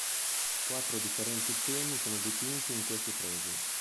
Quattro differenti temi sono dipinti in questi fregi.